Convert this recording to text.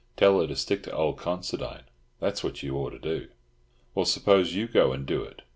Tell her to stick to old Considine. That's what you ought to do." "Well, suppose you go and do it.